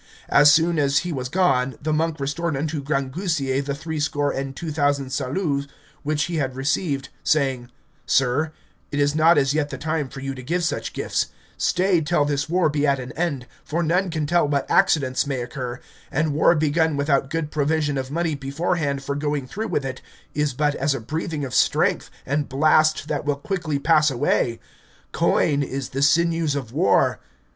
As soon as he was gone, the monk restored unto Grangousier the three score and two thousand saluts which he had received, saying, Sir, it is not as yet the time for you to give such gifts; stay till this war be at an end, for none can tell what accidents may occur, and war begun without good provision of money beforehand for going through with it, is but as a breathing of strength, and blast that will quickly pass away. Coin is the sinews of war.